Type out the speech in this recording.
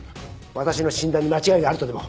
私の診断に間違いがあるとでも？